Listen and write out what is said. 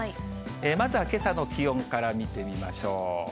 まずはけさの気温から見てみましょう。